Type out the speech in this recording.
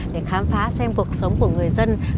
để khám phá xem cuộc sống của người dân